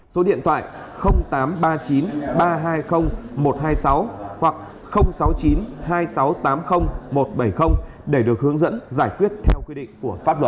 số điện thoại tám trăm ba mươi chín ba trăm hai mươi một trăm hai mươi sáu hoặc sáu mươi chín hai nghìn sáu trăm tám mươi một trăm bảy mươi để được hướng dẫn giải quyết theo quy định của pháp luật